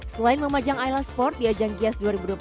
selain memajang ayla sport di ajang gias dua ribu dua puluh tiga